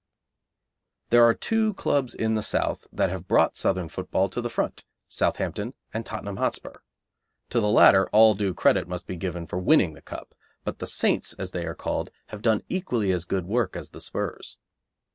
There are two clubs in the South that have brought Southern football to the front: Southampton and Tottenham Hotspur. To the latter all due credit must be given for winning the Cup, but the "Saints," as they are called, have done equally as good work as the 'Spurs.